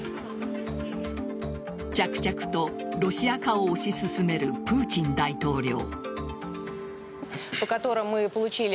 着々とロシア化を推し進めるプーチン大統領。